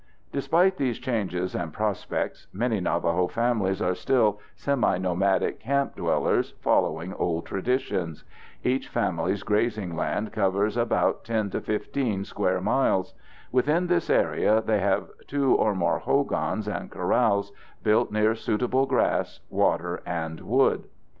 Despite these changes and prospects, many Navajo families are still seminomadic camp dwellers, following old traditions. Each family's grazing land covers about 10 to 15 square miles. Within this area they have two or more hogans and corrals, built near suitable grass, water, and wood.